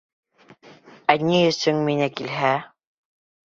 Ә ни өсөн миңә килһә...